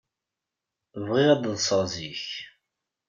Bɣiɣ ad ḍḍseɣ zik.